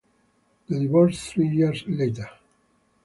They divorced three years later.